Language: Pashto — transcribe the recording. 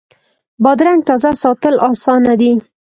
بادرنګ تازه ساتل اسانه دي.